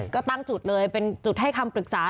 ก็ตั้งจุดเลยเป็นจุดให้คำปรึกษา